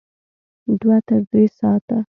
دوه تر درې ساعته